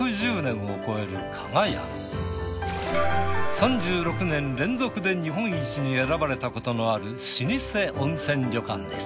３６年連続で日本一に選ばれたことのある老舗温泉旅館です。